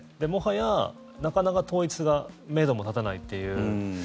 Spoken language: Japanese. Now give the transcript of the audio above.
もはや、なかなか統一がめども立たないという。